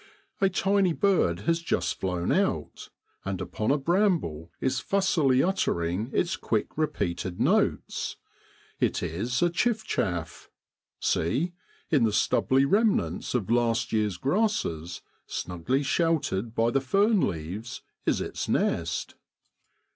A tiny bird has just flown out, and upon a bramble is fussily uttering its quick repeated notes. It is a chiff chaff. See ! in the stubbly remnants of last year's grasses, snugly sheltered by the fern leaves, is its nest.